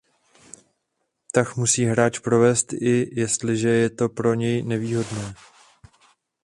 Tah musí hráč provést i jestliže je to pro něj nevýhodné.